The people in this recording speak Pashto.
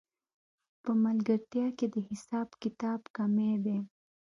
په ملګرتیا کې د حساب کتاب کمی دی